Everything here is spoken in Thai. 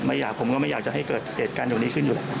ไม่อยากผมก็ไม่อยากจะให้เกิดเหตุการณ์ตรงนี้ขึ้นอยู่